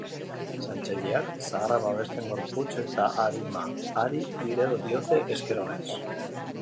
Zaintzaileak zaharrak babesten gorputz eta arima ari direla diote, esker onez.